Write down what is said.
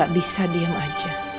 aku gak bisa diam aja